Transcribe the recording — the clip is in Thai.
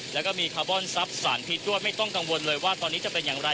แล้วก็มีคาร์บอนซับสารพิษด้วยไม่ต้องกังวลเลยว่าตอนนี้จะเป็นอย่างไร